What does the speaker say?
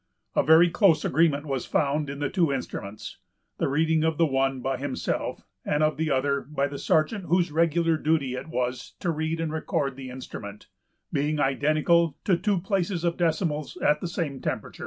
A very close agreement was found in the two instruments; the reading of the one, by himself, and of the other, by the sergeant whose regular duty it was to read and record the instrument, being identical to two places of decimals at the same temperature.